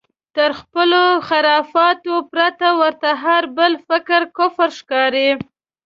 تر خپلو خرافاتو پرته ورته هر بل فکر کفر ښکاري.